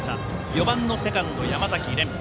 ４番のセカンド、山崎漣音。